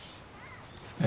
え。